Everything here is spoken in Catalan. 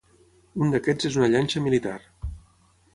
Un d'aquests és una llanxa militar.